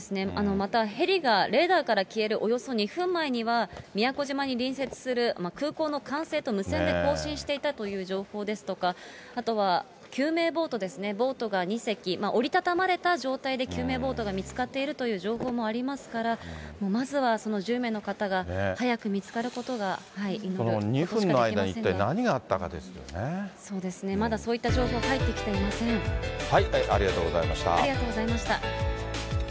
またヘリがレーダーから消えるおよそ２分前には、宮古島に隣接する航空の管制と無線で交信していたという情報ですとか、あとは救命ボートですね、ボートが２隻、折り畳まれた状態で救命ボートが見つかっているという情報もありますから、まずはその１０名の方が早く見つかるこ２分の間に何があったかです叫びたくなる緑茶ってなんだ？